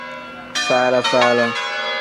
Faala-faala.